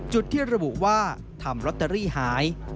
จุดที่ระบุว่าทำลอตเตอรี่หาย